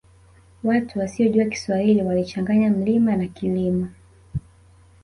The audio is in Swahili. Watu wasiyojua kiswahili walichanganya mlima na kilima